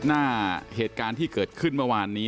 หน้าเหตุการณ์ที่เกิดขึ้นเมื่อวานนี้